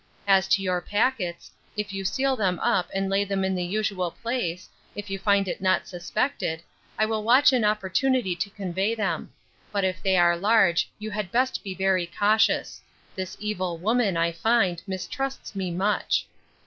As to your packets, if you seal them up, and lay them in the usual place, if you find it not suspected, I will watch an opportunity to convey them; but if they are large, you had best be very cautious. This evil woman, I find, mistrusts me much.